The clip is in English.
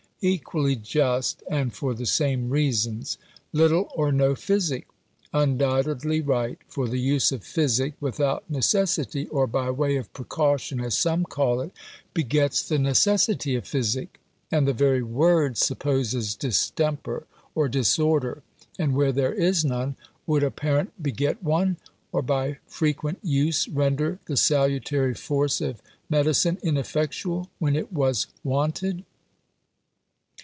Equally just; and for the same reasons. Little or no physic. Undoubtedly right. For the use of physic, without necessity, or by way of precaution, as some call it, begets the necessity of physic; and the very word supposes distemper or disorder; and where there is none, would a parent beget one; or, by frequent use, render the salutary force of medicine ineffectual, when it was wanted?